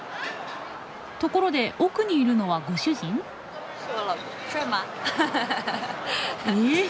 ところで奥にいるのはご主人？え？